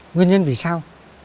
nguyên nhân vì sao